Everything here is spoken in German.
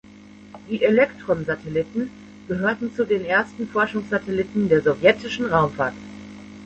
Die Elektron-Satelliten gehörten zu den ersten Forschungssatelliten der sowjetischen Raumfahrt.